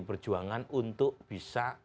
pd perjuangan untuk bisa